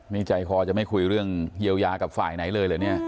นี่ใจคอจะไม่คุยเรื่องเยียวยากับฝ่ายไหนเลยเหรอเนี่ย